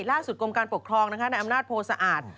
ลาศุษย์กรมการปกครองนะฮะในอํอาตโปรสะอาด